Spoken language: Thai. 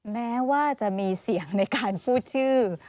แม้ว่าจะมีเสียงในการพูดชื่อ